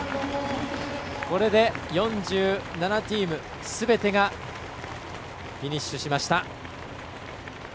これで４７チームすべてがフィニッシュしました。